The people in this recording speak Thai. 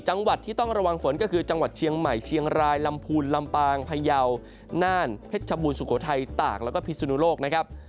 จังหวัดที่ต้องระวังฝนก็คือจังหวัดเชียงใหม่เชียงรายลำพูนลำปางพยาวน่านเพชรชบูรสุโขทัยตากแล้วก็พิสุนุโลกนะครับ